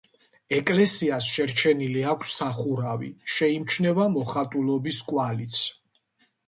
ეკლესიას შერჩენილი აქვს სახურავი, შეიმჩნევა მოხატულობის კვალიც.